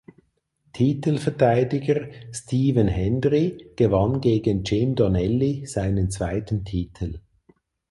Titelverteidiger Stephen Hendry gewann gegen Jim Donnelly seinen zweiten Titel.